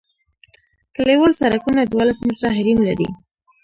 کلیوال سرکونه دولس متره حریم لري